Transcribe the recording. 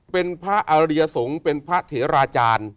เป็นพระอริยสงฆ์เป็นพระเถราจารย์